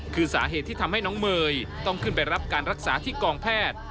คือสาเหตุที่ทำให้น้องเมย์ต้องขึ้นไปรับการรักษาที่กองแพทย์